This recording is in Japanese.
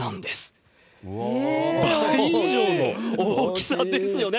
倍以上の大きさですよね。